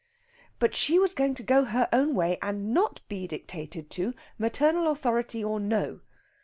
But she was going to go her own way and not be dictated to, maternal authority or no.